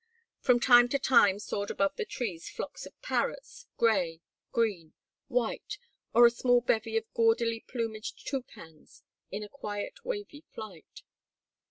From time to time soared above the trees flocks of parrots, gray, green, white, or a small bevy of gaudily plumaged toucans in a quiet, wavy flight.